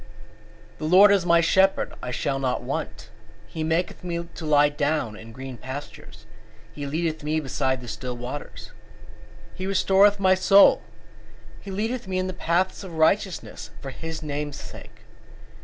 23:1 The LORD is my shepherd; I shall not want. 23:2 He maketh me to lie down in green pastures: he leadeth me beside the still waters. 23:3 He restoreth my soul: he leadeth me in the paths of righteousness for his name's sake.